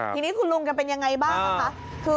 ทีนี้คุณลุงกันเป็นยังไงบ้างนะคะ